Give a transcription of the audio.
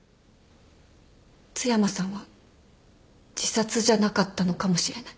津山さんは自殺じゃなかったのかもしれない。